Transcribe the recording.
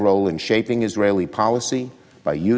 dalam menggabungkan kebijakan israel